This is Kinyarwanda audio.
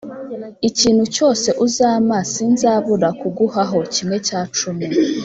Ikintu cyose uzampa sinzabura kuguhaho kimwe cya cumi